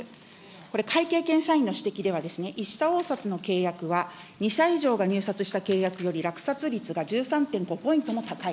これ、会計検査院の指摘ではですね、の契約は、２社以上が入札した契約より落札率が１３．５ポイントも高い。